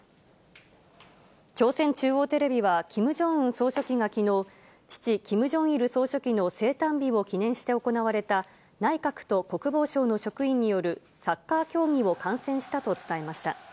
朝鮮中央テレビは、キム・ジョンウン総書記がきのう、父、キム・ジョンイル総書記の生誕日を記念して行われた、内閣と国防省の職員によるサッカー競技を観戦したと伝えました。